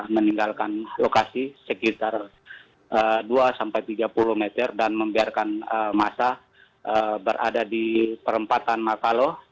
meninggalkan lokasi sekitar dua sampai tiga puluh meter dan membiarkan masa berada di perempatan makalo